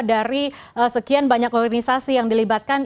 dari sekian banyak organisasi yang dilibatkan